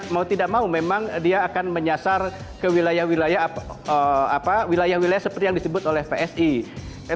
mau tidak mau memang dia akan menyasar ke wilayah wilayah seperti lainnya